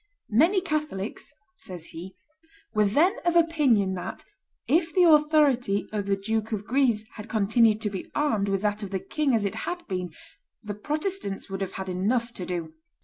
"Many Catholics," says he, "were then of opinion that, if the authority of the Duke of Guise had continued to be armed with that of the king as it had been, the Protestants would have had enough to do.